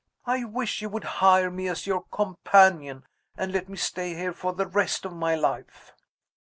I wish you would hire me as your 'companion,' and let me stay here for the rest of my life."